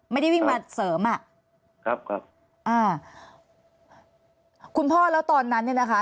ไม่ได้วิ่งมาเสริมอ่ะครับครับอ่าคุณพ่อแล้วตอนนั้นเนี่ยนะคะ